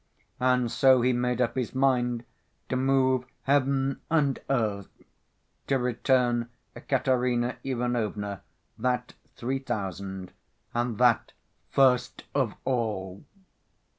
And so he made up his mind to move heaven and earth to return Katerina Ivanovna that three thousand, and that first of all.